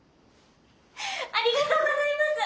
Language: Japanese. ありがとうございます。